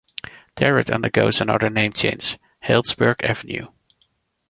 There it undergoes another name change: Healdsburg Avenue.